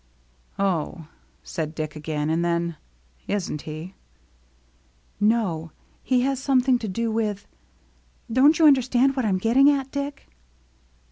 " Oh," said Dick again. And then, " Isn't he?" " No, he has something to do with — don't you understand what I'm getting at, Dick